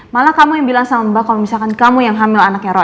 malah kamu yang bilang sama mbak kalau misalkan kamu yang hamil anaknya rok